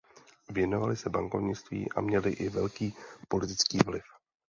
Věnovali se bankovnictví a měli i velký politický vliv.